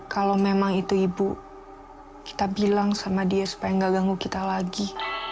kalau memang itu ibu kita bilang sama dia supaya nggak ganggu kita lagi